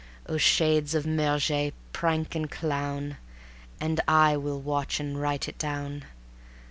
Oh shades of Murger! prank and clown, And I will watch and write it down.